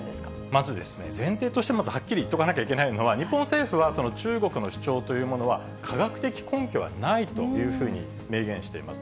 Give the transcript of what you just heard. まずですね、前提としてまず、はっきり言っとかなきゃいけないのは、日本政府は中国の主張というものは科学的根拠はないというふうに明言しています。